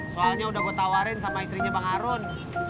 soalnya udah gue tawarin sama istrinya bang arun